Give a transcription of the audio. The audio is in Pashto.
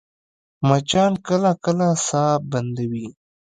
مچان کله کله ساه بندوي